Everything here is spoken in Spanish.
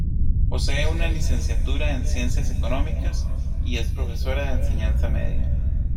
Posee una licenciatura en Ciencias Económicas, y es profesora de enseñanza media.